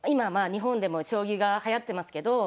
日本でも将棋がはやってますけど